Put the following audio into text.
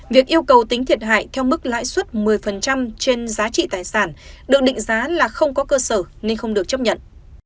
việc yêu cầu tính thiệt hại theo mức lãi suất một mươi trên giá trị tài sản được định giá là không có cơ sở nên không được chấp nhận